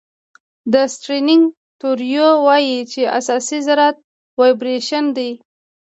د سټرینګ تیوري وایي چې اساسي ذرات وایبریشن دي.